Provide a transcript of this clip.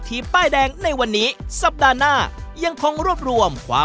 ทุกวันนี้ถ้าถามว่า